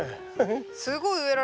すごい植えられちゃう。